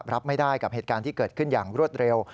รับไม่ได้กับเหตุการณ์ที่เกิดขึ้นอย่างรวดเร็ว